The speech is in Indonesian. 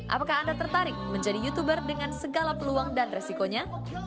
apakah anda tertarik menjadi youtuber dengan segala peluang dan resikonya